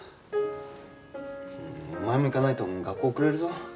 お前も行かないと学校遅れるぞ。